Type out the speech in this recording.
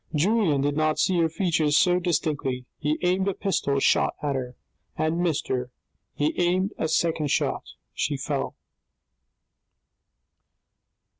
Julien did not see her features so distinctly : he aimed a pistol shot at her, and missed her : he aimed a second shot, she fell.